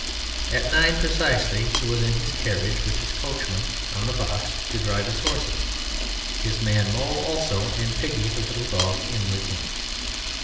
At nine precisely he was in his carriage with his coachman on the box to drive his horses, his man Mole also, and Piggy the little dog in with him.